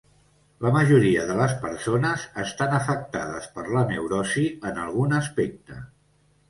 La majoria de les persones estan afectades per la neurosi en algun aspecte.